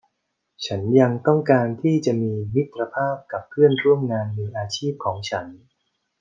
ฉันยังต้องการที่จะมีมิตรภาพกับเพื่อนร่วมงานมืออาชีพของฉัน